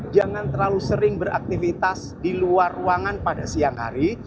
jangan terlalu sering beraktivitas di luar ruangan pada siang hari